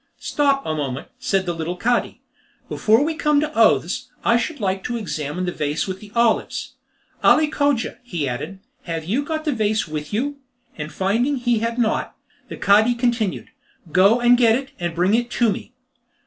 "Stop a moment!" said the little Cadi, "before we come to oaths, I should like to examine the vase with the olives. Ali Cogia," he added, "have you got the vase with you?" and finding he had not, the Cadi continued, "Go and get it, and bring it to me."